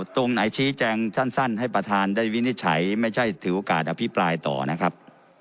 ตรงไหนชี้แจงสั้นให้ประธานได้วินิจฉัยไม่ใช่ถือโอกาสอภิปรายต่อนะครับ